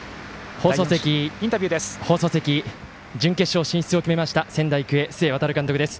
放送席、放送席準決勝進出を決めました仙台育英、須江航監督です。